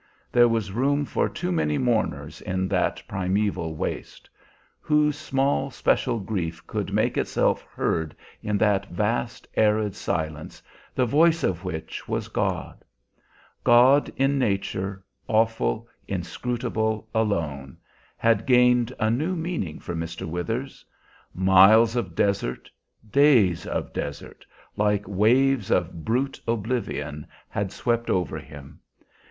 There was room for too many mourners in that primeval waste. Whose small special grief could make itself heard in that vast arid silence, the voice of which was God? God in nature, awful, inscrutable, alone, had gained a new meaning for Mr. Withers. Miles of desert, days of desert, like waves of brute oblivion had swept over him.